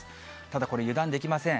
ただこれ、油断できません。